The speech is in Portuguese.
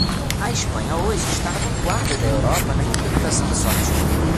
A Espanha hoje está na vanguarda da Europa na implementação do software livre.